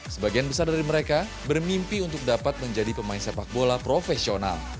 sebagian besar dari mereka bermimpi untuk dapat menjadi pemain sepak bola profesional